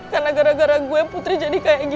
karena gara gara gue putri jadi kayak gini